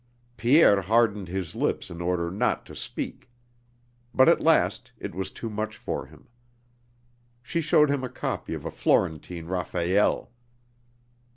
Pierre hardened his lips in order not to speak. But at last it was too much for him. She showed him a copy of a Florentine Raphael.